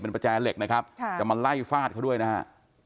เป็นประแจเหล็กนะครับจะมาไล่ฟาดเขาด้วยนะฮะ